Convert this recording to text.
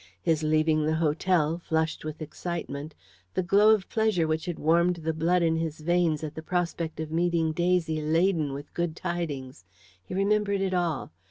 His leaving the hotel, flushed with excitement; the glow of pleasure which had warmed the blood in his veins at the prospect of meeting Daisy laden with good tidings he remembered it all.